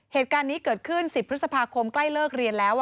เหตุการณ์นี้เกิดขึ้น๑๐พฤษภาคมใกล้เลิกเรียนแล้ว